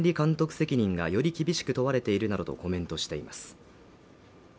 責任がより厳しく問われているなどとコメントしています